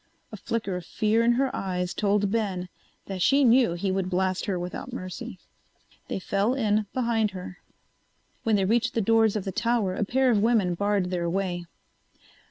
A flicker of fear in her eyes told Ben that she knew he would blast her without mercy. They fell in behind her. When they reached the doors of the tower a pair of women barred their way.